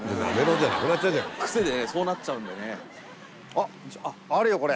あっあるよこれ。